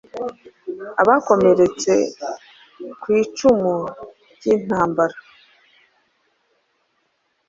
Abakomeretsekw icumu ryintambara